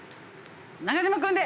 中島君で！